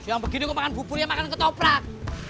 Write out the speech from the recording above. siang begini gua makan bubur ya makan toplak